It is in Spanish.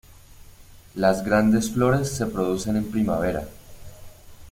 Las grandes flores se producen en primavera.